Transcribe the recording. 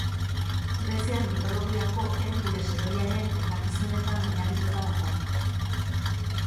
Greziar mitologiako Herkules heroiaren kontakizunetan oinarritua dago.